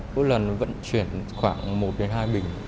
mỗi lần vẫn chuyển khoảng một hai bình